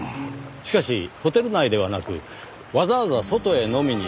しかしホテル内ではなくわざわざ外へ飲みに出掛けた。